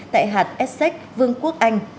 tại hạt essex vương quốc anh